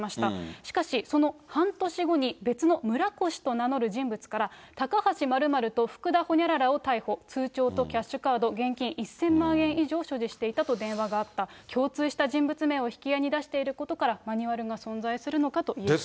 しかしその半年後に、別のムラコシと名乗る人物から、タカハシ○○とフクダほにゃららを逮捕、通帳とキャッシュカード、現金１０００万円以上を所持していたと電話があった、共通した人物名を引き合いに出していることから、マニュアルが存在するのかといえます。